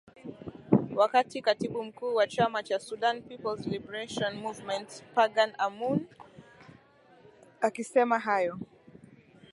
wakati katibu mkuu wa chama cha sudan peoples liberation movement pargan amoon akisema hayo